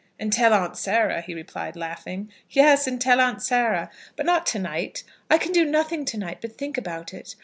"And tell Aunt Sarah," he replied, laughing. "Yes, and tell Aunt Sarah; but not to night. I can do nothing to night but think about it.